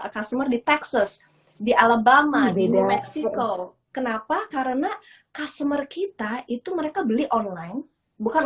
customer di texas di alabama di meksiko kenapa karena customer kita itu mereka beli online bukan